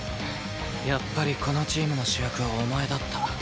やっぱりこのチームの主役はお前だった。